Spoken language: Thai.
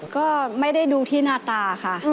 ก็ไม่ได้ดูที่หน้าตาค่ะ